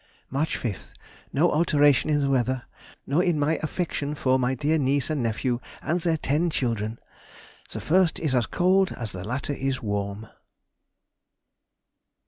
March 5th.—No alteration in the weather, nor in my affection for my dear niece and nephew and their ten children! the first is as cold as the latter is warm!